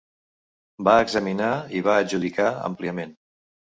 Va examinar i va adjudicar àmpliament.